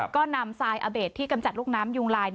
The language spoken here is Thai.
ก็นำทรายอเบสที่กำจัดลูกน้ำยุงลาย